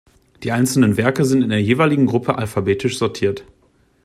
Die einzelnen Werke sind in der jeweiligen Gruppe alphabetisch sortiert.